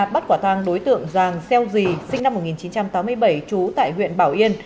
bắt quả tang đối tượng giàng xeo dì sinh năm một nghìn chín trăm tám mươi bảy trú tại huyện bảo yên